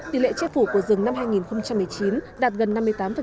tỷ lệ chế phủ của rừng năm hai nghìn một mươi chín đạt gần năm mươi tám